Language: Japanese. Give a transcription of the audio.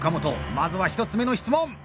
まずは１つ目の質問！